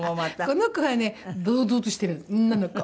この子はね堂々としてるんです女の子。